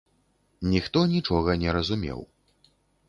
Ніхто нічога не разумеў.